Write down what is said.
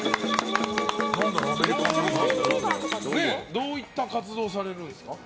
どういった活動をされるんですか？